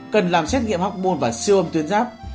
cần làm xét nghiệm hóc môn và siêu âm tuyến giáp